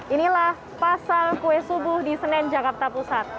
inilah pasar kue subuh di senen jakarta pusat